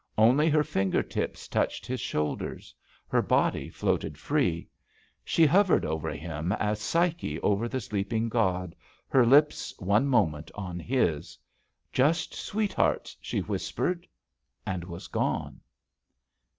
Only her finger tips touched his shoulders; her body floated free. She hov ered over him as Psyche over the sleeping god, her lips, one moment, on his: "Just sweethearts," she whispered, and was gone.